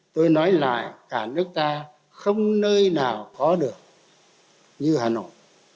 tôi nói lại cả nước ta không nơi nào có được như hà nội